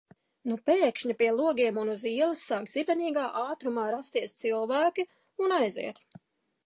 Nu pēkšņi pie logiem un uz ielas sāk zibenīgā ātrumā rasties cilvēki un aiziet...